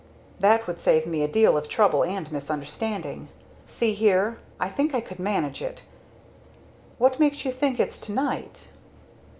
"That would save me a deal of trouble and misunderstanding. See here I think I can manage it what makes you think it's to night?"